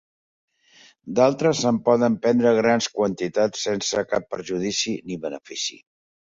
D'altres se'n poden prendre grans quantitats sense cap perjudici ni benefici.